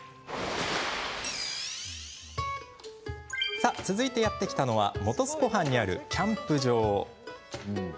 さあ、続いてやって来たのは本栖湖畔にあるキャンプ場。